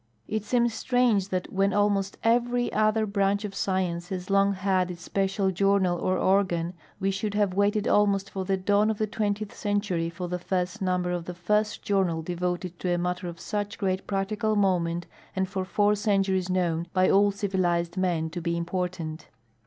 It seetns strange that, when almost every other branch of science has long had its special journal or organ, we should have waited almost for the dawn of the twentieth century for the first number of the first journal devoted to a matter of such great practical moment and for four centuries known by all civilized men to be important.